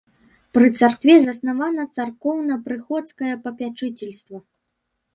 Пры царкве заснавана царкоўна-прыходскае папячыцельства.